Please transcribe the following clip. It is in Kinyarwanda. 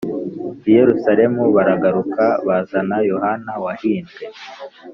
i Yerusalemu baragaruka bazana na Yohana wahimbwe